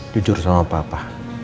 duduk sama papa